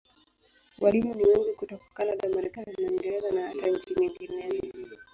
Walimu ni wengi hutoka Kanada, Marekani na Uingereza, na hata nchi nyinginezo.